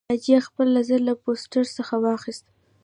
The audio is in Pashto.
ناجیه خپل نظر له پوسټر څخه واخیست